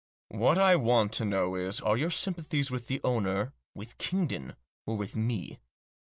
" What I want to know is, are your sympathies with the owner, with Kingdon, or with me?"